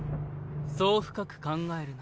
そう深く考えるな。